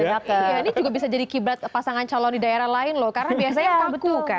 iya ini juga bisa jadi kibrat pasangan calon di daerah lain loh karena biasanya takut kan